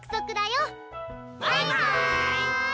バイバーイ！